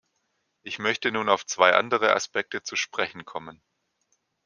Ich möchte nun auf zwei andere Aspekte zu sprechen kommen.